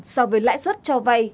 so với lãi suất cho vay